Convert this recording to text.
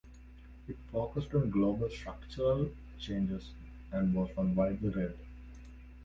It focused on global structural changes and was not widely read.